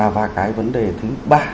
và cái vấn đề thứ ba